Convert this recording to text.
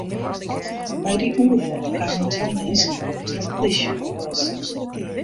By dy oerfal kamen twa minsken om troch plysjekûgels.